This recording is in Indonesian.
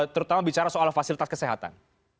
terutama bicara soal fasilitas kesehatan